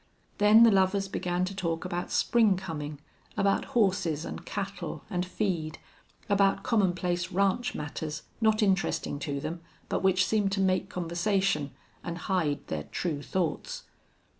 Then the lovers began to talk about spring coming, about horses and cattle, and feed, about commonplace ranch matters not interesting to them, but which seemed to make conversation and hide their true thoughts.